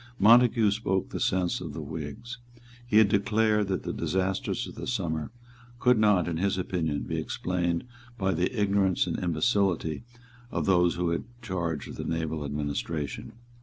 Montague spoke the sense of the Whigs. He declared that the disasters of the summer could not, in his opinion, be explained by the ignorance and imbecility of those who had charge of the naval administration.